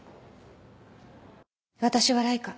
私はライカ